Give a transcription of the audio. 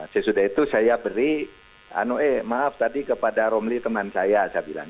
sesudah itu saya beri maaf tadi kepada romli teman saya saya bilang